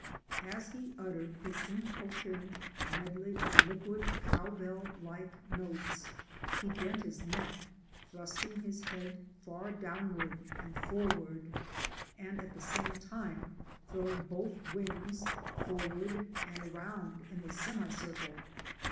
As he uttered his incoherent medley of liquid cowbell like notes, he bent his neck, thrusting his head far downward and forward, and at the same time throwing both wings forward and around in a semicircle.